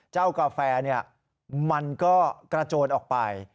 กาแฟมันก็กระโจนออกไป